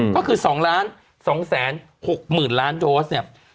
ก็คือ๒๒๖๐๐๐๐ล้านโดส